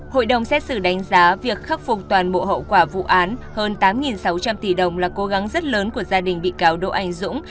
hội đồng xét xử đánh giá việc khắc phục toàn bộ hậu quả vụ án hơn tám sáu trăm linh tỷ đồng là cố gắng rất lớn của gia đình bị cáo đỗ anh dũng